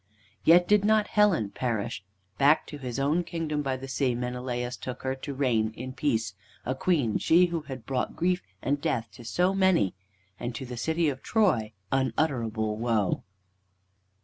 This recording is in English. Yet did not Helen perish. Back to his own kingdom by the sea Menelaus took her, to reign, in peace, a queen, she who had brought grief and death to so many, and to the city of Troy unutterable woe.